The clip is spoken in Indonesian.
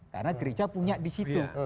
karena gereja punya di situ